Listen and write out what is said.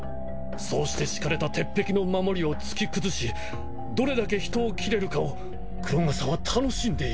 そうしてしかれた鉄壁の守りを突き崩しどれだけ人を斬れるかを黒笠は楽しんでいるのです。